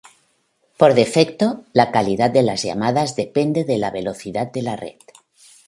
Por defecto, la calidad de las llamadas depende de la velocidad de la red.